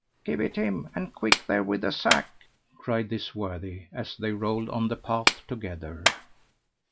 "Give it him, and quick there with the sack!" cried this worthy, as they rolled on the path together.